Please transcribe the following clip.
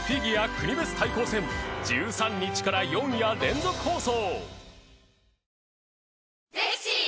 国別対抗戦１３日から４夜連続放送。